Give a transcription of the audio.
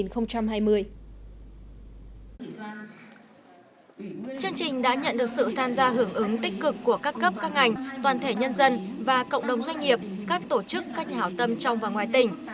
chương trình đã nhận được sự tham gia hưởng ứng tích cực của các cấp các ngành toàn thể nhân dân và cộng đồng doanh nghiệp các tổ chức các nhà hảo tâm trong và ngoài tỉnh